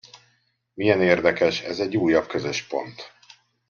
Milyen érdekes, ez egy újabb közös pont!